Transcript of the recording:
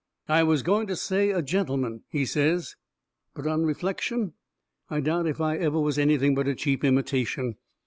"I was going to say a gentleman," he says, "but on reflection, I doubt if I was ever anything but a cheap imitation.